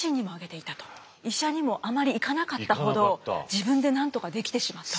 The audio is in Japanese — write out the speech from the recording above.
医者にもあまり行かなかったほど自分でなんとかできてしまったと。